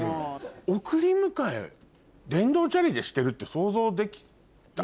送り迎え電動チャリでしてるって想像できた？